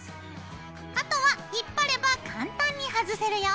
あとは引っ張れば簡単にはずせるよ。